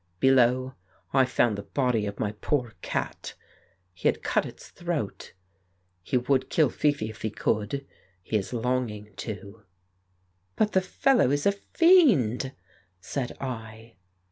Below, I found the body of my poor cat. He had cut its throat. ... He would kill Fifi if he could ; he is longing to." "But the fellow is a fiend !" said I.